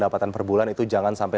oke pola empat dua tiga tiga gitu ya